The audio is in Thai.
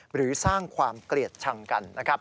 หรือสร้างความเกลียดชังกันนะครับ